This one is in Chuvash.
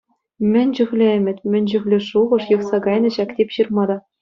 Мӗн чухлӗ ӗмӗт, мӗн чухлӗ шухӑш юхса кайнӑ ҫак тип ҫырмара.